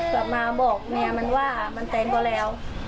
กลับมาบอกเมียมันว่ามันแทงเขาแล้ว